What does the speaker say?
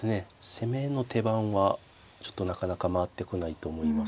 攻めの手番はちょっとなかなか回ってこないと思います。